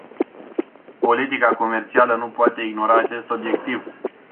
Politica comercială nu poate ignora acest obiectiv.